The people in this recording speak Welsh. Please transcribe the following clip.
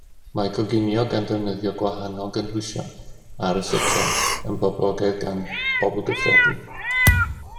Mae coginio gan ddefnyddio gwahanol gynhwysion a ryseitiau yn boblogaidd gan bobl gyffredin